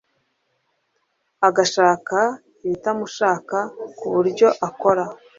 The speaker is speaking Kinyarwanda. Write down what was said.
agashaka ibitamushaka kubyo akora